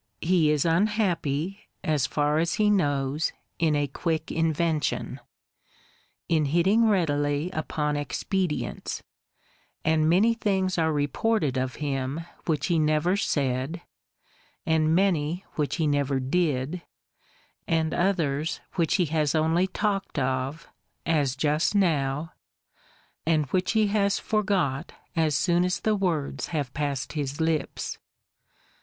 He is unhappy, as far as he knows, in a quick invention; in hitting readily upon expedients; and many things are reported of him which he never said, and many which he never did, and others which he has only talked of, (as just now,) and which he has forgot as soon as the words have passed his lips.